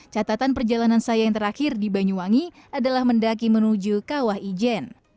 catatan perjalanan saya yang terakhir di banyuwangi adalah mendaki menuju kawah ijen